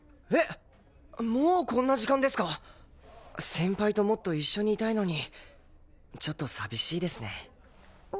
先輩ともっと一緒にいたいのにちょっと寂しいですね。